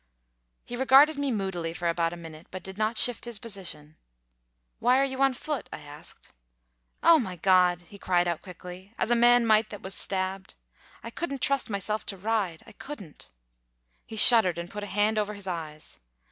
He regarded me moodily for about a minute, but did not shift his position. "Why are you on foot?" I asked. "Oh, my God!" he cried out quickly, as a man might that was stabbed; "I couldn't trust myself to ride; I couldn't." He shuddered, and put a hand over his eyes.